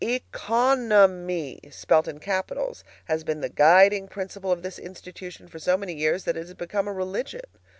ECONOMY spelt in capitals has been the guiding principle of this institution for so many years that it has become a religion.